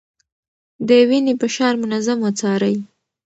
د وينې فشار منظم وڅارئ.